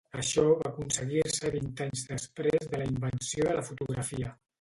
Això va aconseguir-se vint anys després de la invenció de la fotografia.